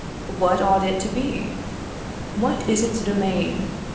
What ought it to be? What is its domain?